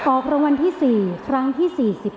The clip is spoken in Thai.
ออกรางวัลที่๔ครั้งที่๔๘